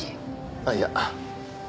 あっいや。